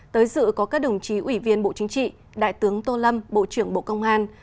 tới dự có các đồng chí ủy viên bộ chính trị đại tướng tô lâm bộ trưởng bộ công an